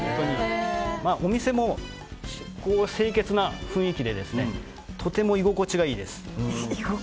お店も清潔な雰囲気でとても居心地がいいです。